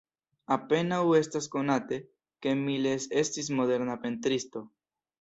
Apenaŭ estas konate, ke Miles estis moderna pentristo.